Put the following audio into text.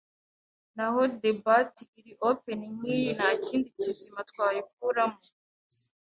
Naho debat iri open nk'iyi nta kindi kizima twayikuramo